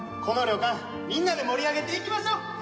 この旅館みんなで盛り上げていきましょう。